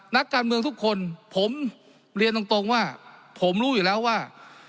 นักการเมืองทุกคนผมเรียนตรงว่าผมรู้อยู่แล้วว่า